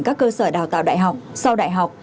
các cơ sở đào tạo đại học sau đại học